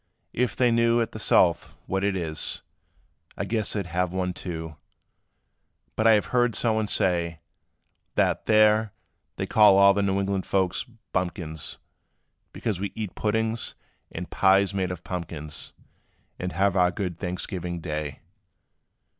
If they knew At the South, what it is, I guess they 'd have one too; But I have heard somebody say, That, there, they call all the New England folks Bumpkins, Because we eat puddings, and pies made of pumpkins And have our good Thanksgiving day."